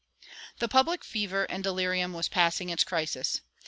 "[171:1] The public fever and delirium was passing its crisis.